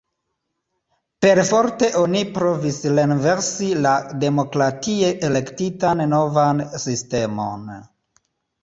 Perforte oni provis renversi la demokratie elektitan novan sistemon.